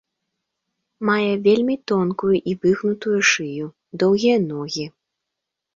Мае вельмі тонкую і выгнутую шыю, доўгія ногі.